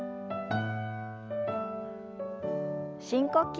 深呼吸。